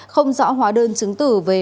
không rõ hóa đơn chứng tử về